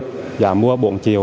giá mua bốn triệu